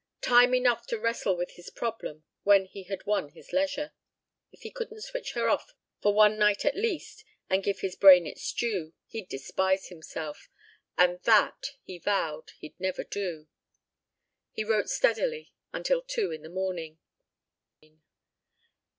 Time enough to wrestle with his problem when he had won his leisure. If he couldn't switch her off for one night at least and give his brain its due, he'd despise himself, and that, he vowed, he'd never do. He wrote steadily until two in the morning.